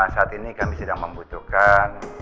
saat ini kami sedang membutuhkan